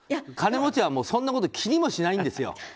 金持ちはそんなこと気にもしないんですよ。